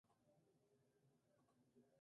Justo y General Paz